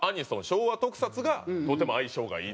昭和特撮がとても相性がいいので。